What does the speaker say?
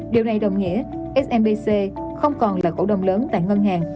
điều này đồng nghĩa smbc không còn là cổ đồng lớn tại ngân hàng